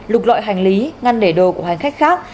lục loại hành lý ngăn để đồ của hành khách khác